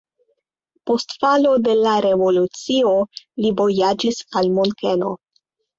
Post falo de la revolucio li vojaĝis al Munkeno.